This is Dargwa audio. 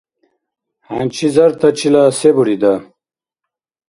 Хӏянчизартачила се бурида?